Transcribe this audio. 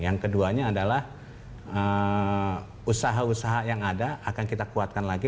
yang keduanya adalah usaha usaha yang ada akan kita kuatkan lagi